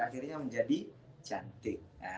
akhirnya menjadi cantik